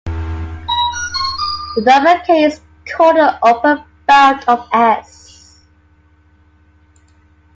The number "k" is called an upper bound of "S".